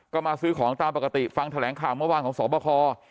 ก็มาซื้อของตามปกติฟังแถลงข่าวเมื่อวานของสอบคอ